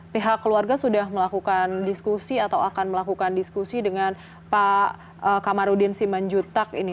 pihak keluarga sudah melakukan diskusi atau akan melakukan diskusi dengan pak kamarudin simanjutak ini